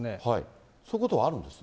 そういうことはあるんですね。